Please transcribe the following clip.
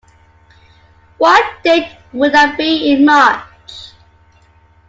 What date would that be in March?